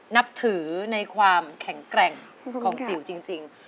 นับถือในความแข็งแกร่งของติ๋วจริง